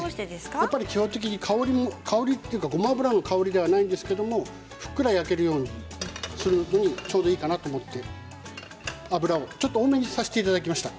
基本的にごま油の香りではないんですけどふっくら焼けるようにするにはちょうどいいかなと思って油をちょっと多めにさせていただきました。